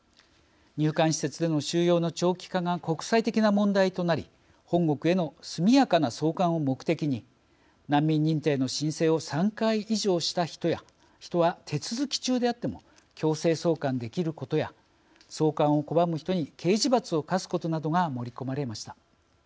入管施設での収容の長期化が国際的な問題となり本国への速やかな送還を目的に難民認定の申請を３回以上した人は手続き中であっても強制送還できることや送還を拒む人に刑事罰を科すことなどが盛り込まれました。